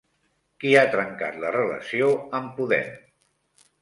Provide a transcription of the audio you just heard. Qui ha trencat la relació amb Podem?